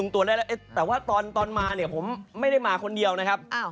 แต่ว่าตอนมาเนี่ยผมไม่ได้มาคนเดียวนะครับ